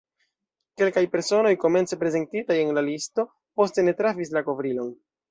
Kelkaj personoj, komence prezentitaj en la listo, poste ne trafis la kovrilon.